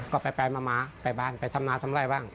ก็ไปมาไปบ้านไปทำนาทำไร่บ้าง